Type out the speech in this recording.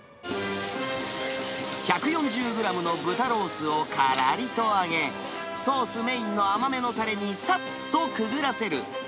１４０グラムの豚ロースをからりと揚げ、ソースメインの甘めのたれにさっとくぐらせる。